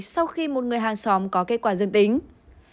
sau khi một người hàng xóm có kết quả dương tính